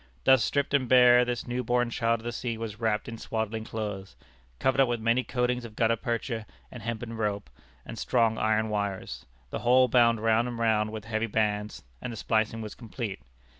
Thus stripped and bare this new born child of the sea was wrapped in swaddling clothes, covered up with many coatings of gutta percha, and hempen rope, and strong iron wires, the whole bound round and round with heavy bands, and the splicing was complete.